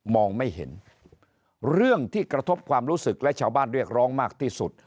ไม่เห็นเรื่องที่กระทบความรู้สึกและชาวบ้านเรียกร้องมากที่สุด